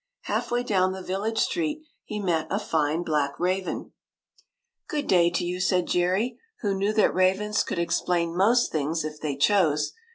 Half way down the village street, he met a fine black raven. WENT TO THE MOON 167 "Good day to you," said Jerry, who knew that ravens could explain most things if they chose.